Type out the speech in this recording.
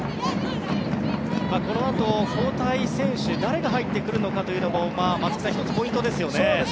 このあと交代選手誰が入ってくるのかも松木さん１つポイントですよね。